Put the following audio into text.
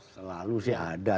selalu sih ada